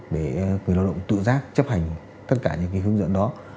để người lao động tự giác chấp hành tất cả những hướng dẫn đó